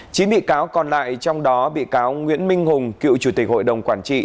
chín bị cáo còn lại trong đó bị cáo nguyễn minh hùng cựu chủ tịch hội đồng quản trị